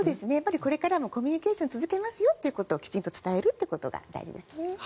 これからもコミュニケーションを続けますよと伝えることが大事ですね。